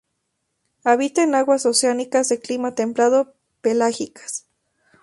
Habita en aguas oceánicas de clima templado pelágicas.